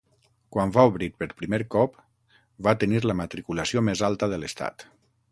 Quan va obrir per primer cop, va tenir la matriculació més alta de l'estat.